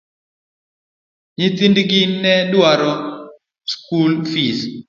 Nyithind gi ne dwaro skul fis.